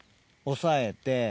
押さえて。